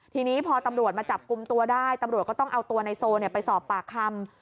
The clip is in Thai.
ทีนี้พอตำรวจมาจับกลุ่มตัวได้ตำรวจก็ต้องเอาตัวในโซไปสอบปากคำ